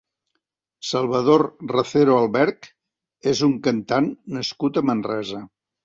Salvador Racero Alberch és un cantant nascut a Manresa.